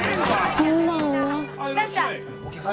いらっしゃい。